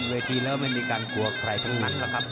เวทีแล้วไม่มีการกลัวใครทั้งนั้นนะครับ